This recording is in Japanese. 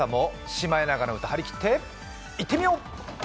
それでは今朝も「シマエナガの歌」張り切っていってみよう！